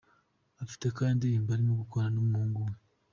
Afite kandi indirimbo arimo gukorana n’umuhungu we.